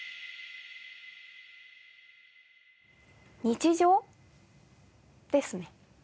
日常ですね。